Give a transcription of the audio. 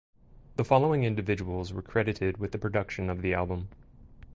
The following individuals were credited with the production of the album.